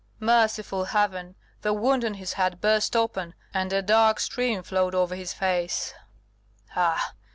Merciful Heaven, the wound on his head burst open, and a dark stream flowed over his face ah!